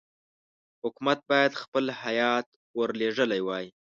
حکومت باید خپل هیات ورلېږلی وای.